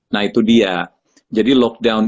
nah itu dia jadi lockdown